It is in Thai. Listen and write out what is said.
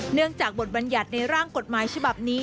เนื่องจากบทบัญญัติในร่างกฎหมายฉบับนี้